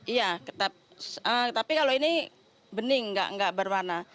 iya tapi kalau ini bening nggak berwarna